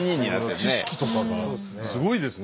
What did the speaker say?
知識とかがすごいですね。